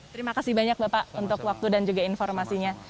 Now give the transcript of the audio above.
terima kasih banyak bapak untuk waktu dan juga informasinya